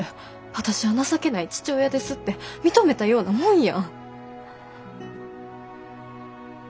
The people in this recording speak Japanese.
私は情けない父親ですって認めたようなもんやん。